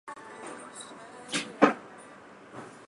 灰刻齿雀鲷为雀鲷科刻齿雀鲷属的鱼类。